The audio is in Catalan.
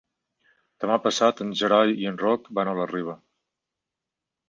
Demà passat en Gerai i en Roc van a la Riba.